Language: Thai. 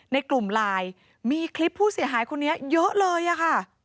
ในกลุ่มไลน์มีคลิปผู้เสียหายคนนี้เยอะเลยอะค่ะ